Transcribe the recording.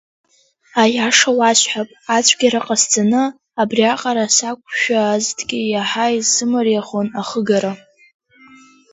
Аиаша уасҳәап, ацәгьара ҟасҵаны, абриаҟара сақәшәазҭгьы иаҳа исзымариахон ахыгара.